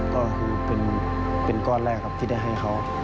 ก็คือเป็นก้อนแรกครับที่ได้ให้เขา